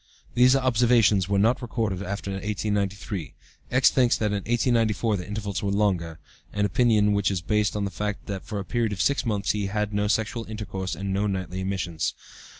"These observations were not recorded after 1893. X. thinks that in 1894 the intervals were longer, an opinion which is based on the fact that for a period of six months he had no sexual intercourse and no nightly emissions.